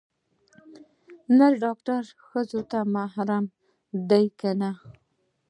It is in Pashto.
نر ډاکتر ښځو ته محرم ديه که نه.